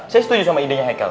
saya setuju sama idenya hakel